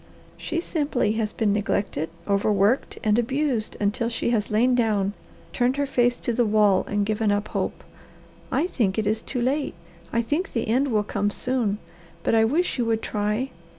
"She simply has been neglected, overworked, and abused until she has lain down, turned her face to the wall, and given up hope. I think it is too late. I think the end will come soon. But I wish you would try.